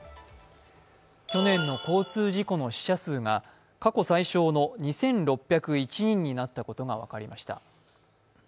去年の交通事故の死者数が過去最少の２６１０人になったことが分かりました。